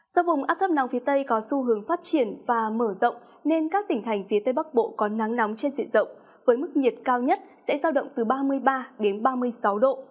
do vùng áp thấp nóng phía tây có xu hướng phát triển và mở rộng nên các tỉnh thành phía tây bắc bộ có nắng nóng trên diện rộng với mức nhiệt cao nhất sẽ giao động từ ba mươi ba đến ba mươi sáu độ